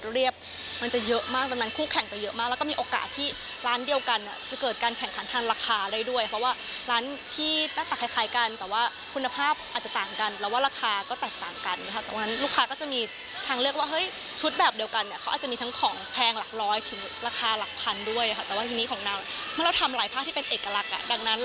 เราก็จะไม่มีคู่แข่งเราก็ไม่ต้องแข่งขันทางค่าราคาค่ะ